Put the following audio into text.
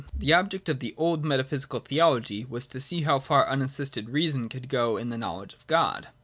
The object of the old metaphysical theology was to see how far unassisted reason could go in the knowledge of God.